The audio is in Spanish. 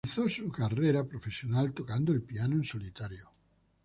Comenzó su carrera profesional tocando el piano en solitario.